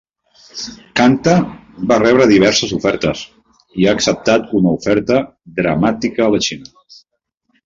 Kangta va rebre diverses ofertes i ha acceptat una oferta dramàtica a la Xina.